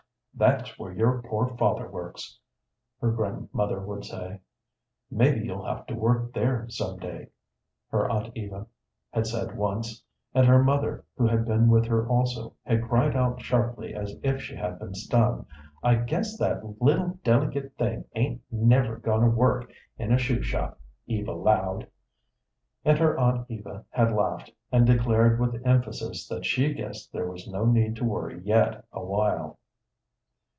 "That's where your poor father works," her grandmother would say. "Maybe you'll have to work there some day," her aunt Eva had said once; and her mother, who had been with her also, had cried out sharply as if she had been stung, "I guess that little delicate thing ain't never goin' to work in a shoe shop, Eva Loud." And her aunt Eva had laughed, and declared with emphasis that she guessed there was no need to worry yet awhile.